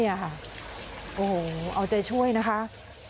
โอ้โหเอาใจช่วยนะคะ